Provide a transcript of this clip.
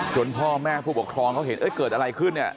พ่อแม่ผู้ปกครองเขาเห็นเกิดอะไรขึ้นเนี่ย